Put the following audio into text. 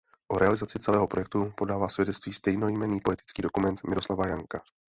O realizaci celého projektu podává svědectví stejnojmenný poetický dokument Miroslava Janka.